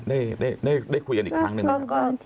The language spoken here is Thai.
ได้คุยอันอีกครั้งนึงไหมคะ